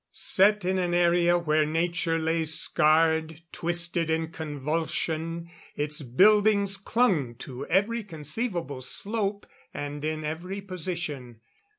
Set in an area where nature lay scarred, twisted in convulsion, its buildings clung to every conceivable slope and in every position.